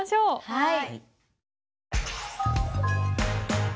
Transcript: はい。